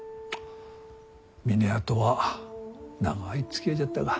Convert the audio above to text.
峰屋とは長いつきあいじゃったが。